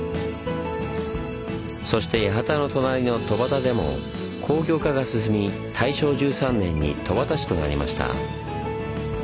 そして八幡の隣の戸畑でも工業化が進み大正１３年に戸畑市となりました。